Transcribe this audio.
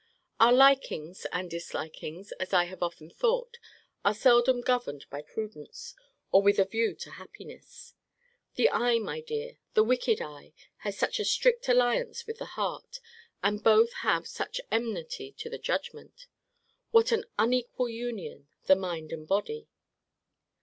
Our likings and dislikings, as I have often thought, are seldom governed by prudence, or with a view to happiness. The eye, my dear, the wicked eye, has such a strict alliance with the heart and both have such enmity to the judgment! What an unequal union, the mind and body!